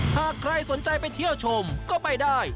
หากใครสนใจไปเที่ยวชมก็ไปได้